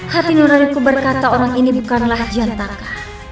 hati nuraniku berkata orang ini bukanlah jantaka